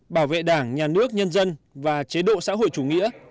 bảo vệ đảng nhà nước nhân dân và chế độ xã hội chủ nghĩa